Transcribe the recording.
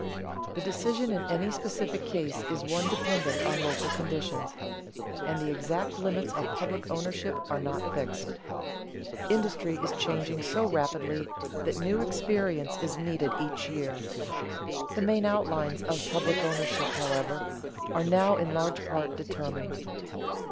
The decision in any specific case is one dependent on local conditions, and the exact limits of public ownership are not fixed. Industry is changing so rapidly that new experience is needed each year. The main outlines of public ownership, however, are now in large part determined.